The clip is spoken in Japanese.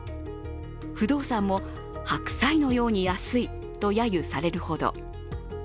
不動産も白菜のように安いとやゆされるほど。